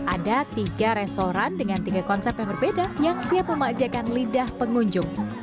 ada tiga restoran dengan tiga konsep yang berbeda yang siap memajakan lidah pengunjung